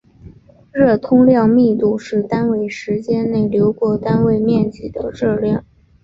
热通量密度是单位时间内流过单位面积的热量。